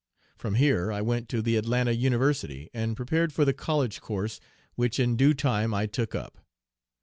From here I went to the Atlanta University, and prepared for the college course, which in due time I took up.